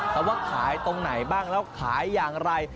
แต่ว่าขายตรงไหนบ้างแล้วขายอย่างไร